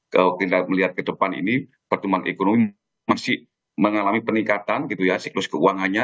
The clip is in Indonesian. kalau kita melihat ke depan ini pertumbuhan ekonomi masih mengalami peningkatan gitu ya siklus keuangannya